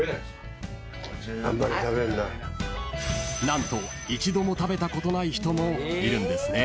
［何と一度も食べたことない人もいるんですね］